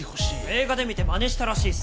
映画で見てまねしたらしいっす。